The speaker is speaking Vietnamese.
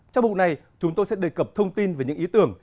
trong bộ này chúng tôi sẽ đề cập thông tin về những ý tưởng